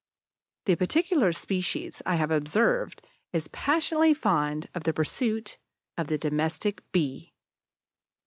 The particular species I have observed is passionately fond of the pursuit of the Domestic Bee.